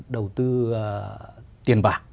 đầu tư tiền bạc